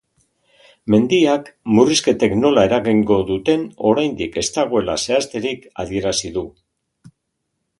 Mendiak murrizketek nola eragingo duten oraindik ez dagoela zehazterik adierazi du.